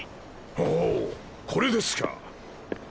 ほほうこれですか。